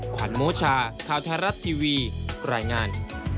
ขวัญโมชาข่าวไทยรัฐทีวีรายงาน